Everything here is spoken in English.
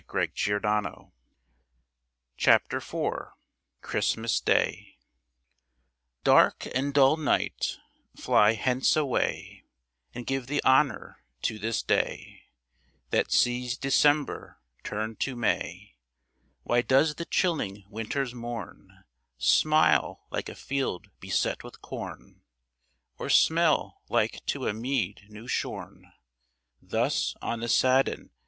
[Illustration: Christmas Day] Dark and dull night, flie hence away, And give the honour to this day That sees December turn'd to May. Why does the chilling winter's morne Smile like a field beset with corn? Or smell like to a meade new shorne, Thus on the sudden?